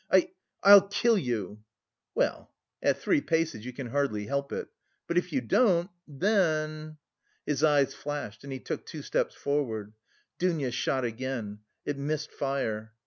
I... I'll kill you." "Well... at three paces you can hardly help it. But if you don't... then." His eyes flashed and he took two steps forward. Dounia shot again: it missed fire.